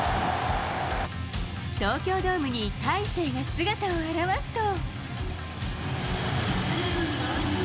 東京ドームに大勢が姿を現すと。